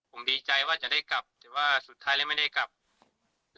ผมดีใจว่าจะได้กลับแต่ว่าสุดท้ายแล้วไม่ได้กลับ